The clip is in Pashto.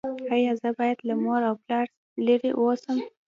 ایا زه باید له مور او پلار لرې اوسم؟